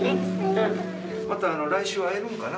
また来週会えるんかな？